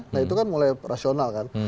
nah itu kan mulai rasional kan